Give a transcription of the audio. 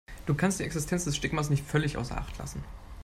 Du kannst die Existenz des Stigmas nicht völlig außer Acht lassen.